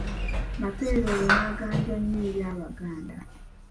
Mapeera olwo n'aganja nnyo eri Abaganda.